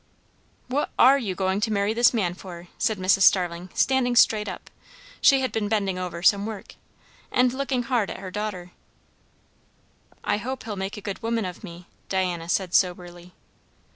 "What are you going to marry this man for?" said Mrs. Starling, standing straight up (she had been bending over some work) and looking hard at her daughter. "I hope he'll make a good woman of me," Diana said soberly.